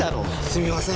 すみません。